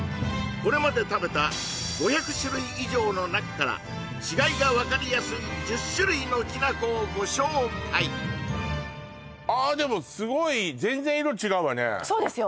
これまで食べた５００種類以上の中から違いが分かりやすい１０種類のきな粉をご紹介あでもすごいそうですよ